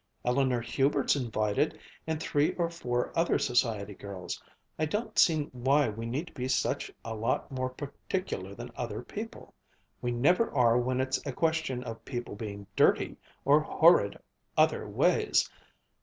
Eleanor Hubert's invited, and three or four other society girls. I don't see why we need to be such a lot more particular than other people. We never are when it's a question of people being dirty, or horrid, other ways!